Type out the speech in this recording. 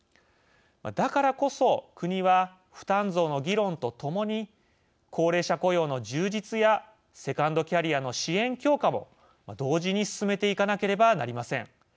だからこそ国は負担増の議論とともに高齢者雇用の充実やセカンドキャリアの支援強化も同時に進めていかなければなりません。